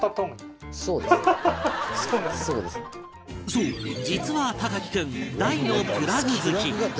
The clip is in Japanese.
そう実は隆貴君大のプラグ好き